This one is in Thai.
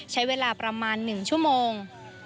ใช้เวลาประมาณ๑ชั่วโมง